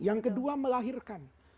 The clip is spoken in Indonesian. yang kedua melahirkan